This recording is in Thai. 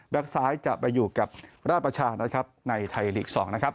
แบล็กซ้ายจะไปอยู่กับราชประชาในไทยหลีก๒